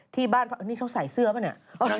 ที่บ้านนี่เขาใส่เสื้อป่ะเนี่ย